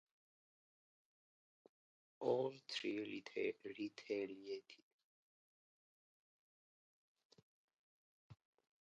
All three retaliated.